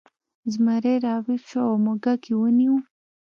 زمری راویښ شو او موږک یې ونیو.